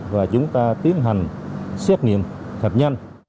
và chúng ta tiến hành xét nghiệm thật nhanh